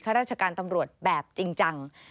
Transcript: ราชการตำรวจแบบจริงจัง